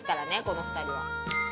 この２人は」